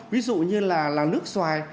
ví dụ như là nước xoài